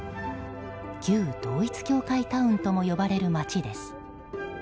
旧統一教会タウンとも呼ばれる町です。